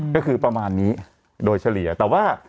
เป็นเพราะสติอีบ้า